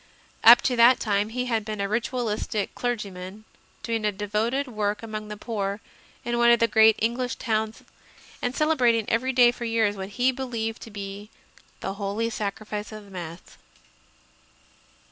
Up to that time he had been a Ritualistic clergyman, doing a devoted work among the poor in one of the great Eng lish towns and celebrating every day for years what he believed to be the Holy Sacrifice of the Mass.